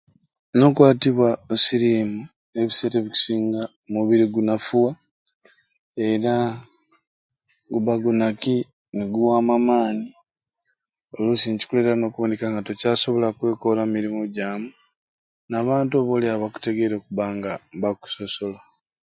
Nokwatibwa osirimu ebiseera ebikusinga omubiri gunafuwa era guba gunaki neguwamu amaani olusi nekkikuletera okuba nga tokyasobola kwekora mirimu gyamu nabantu abo olyawo abakutegeire okuba nga bakusosola